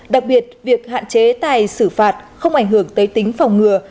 đặc biệt việc hạn chế tài xử phạt không ảnh hưởng tới tính phòng ngừa